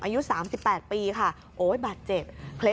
อายุ๓๘ปีค่ะโอ๊ยบาดเจ็บ